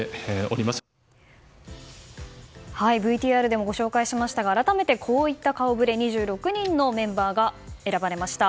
ＶＴＲでもご紹介しましたが改めてこういった顔触れ２６人のメンバーが選ばれました。